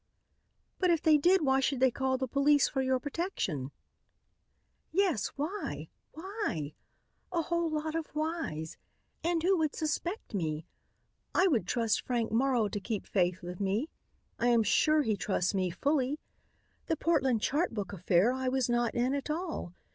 "But if they did, why should they call the police for your protection?" "Yes, why? Why? A whole lot of whys. And who would suspect me? I would trust Frank Morrow to keep faith with me. I am sure he trusts me fully. The Portland chart book affair I was not in at all.